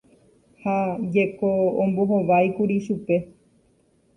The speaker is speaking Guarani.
Ha jeko ombohováikuri chupe